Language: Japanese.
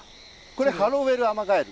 これハロウエルアマガエル。